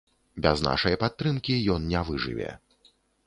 Без нашай падтрымкі ён не выжыве.